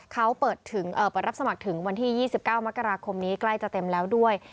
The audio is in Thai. เขาเปิดรับสมัครถึงวันที่๒๙มกราคมนี้ใกล้จะเต็มแล้วด้วย